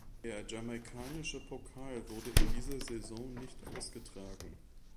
Der jamaikanische Pokal wurde in dieser Saison nicht ausgetragen.